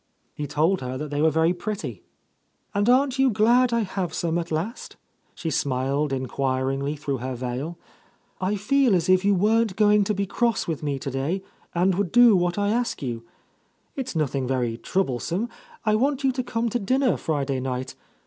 He told her Aey were very pretty. "And aren't you glad I have some at last?" she smiled enquiringly through her veil. "I feel as if you weren't going to be cross with me to day, and would do what I ask you. It's noth ing very troublesome. I want you to come to dinner Friday night.